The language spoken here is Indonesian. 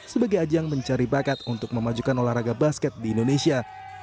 sebagai ajang mencari bakat untuk memajukan olahraga basket di indonesia